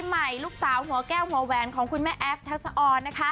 ยบาทใหม่ลูกสาวหัวแก้วหัวแวนของคุณแม่แอ๊บเทศออน